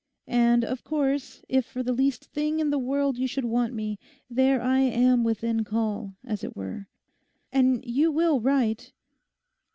And, of course, if for the least thing in the world you should want me, there I am within call, as it were. And you will write?